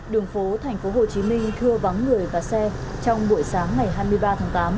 đường phố tp hcm thưa vắng người và xe trong buổi sáng ngày hai mươi ba tháng tám